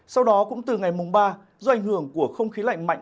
sau đó cũng từ ngày mùng ba do ảnh hưởng của không khí lạnh mạnh